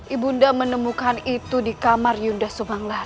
ibu menemukan itu di kamar yunda subanglar